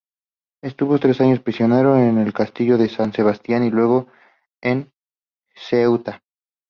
Estuvo tres años prisionero en el castillo de San Sebastián y luego en Ceuta.